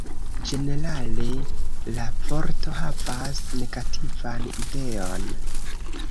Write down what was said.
Ĝenerale la vorto havas negativan ideon.